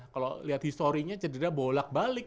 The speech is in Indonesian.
kalau lihat historinya cedera bolak balik